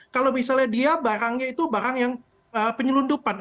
kalau misalnya dia barangnya itu barang yang penyelundupan